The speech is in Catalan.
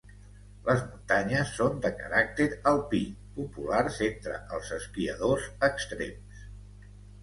Les muntanyes són de caràcter alpí, populars entre els esquiadors extrems.